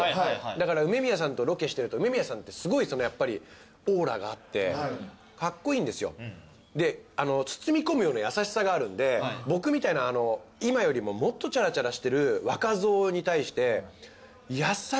だから梅宮さんとロケしてると梅宮さんってすごいやっぱりオーラがあってカッコイイんですよ。で包み込むような優しさがあるので僕みたいな今よりももっとチャラチャラしてる若造に対して。